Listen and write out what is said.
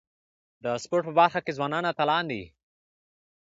د سپورت په برخه کي ځوانان اتلان دي.